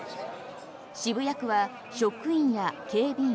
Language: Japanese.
渋谷区は職員や警備員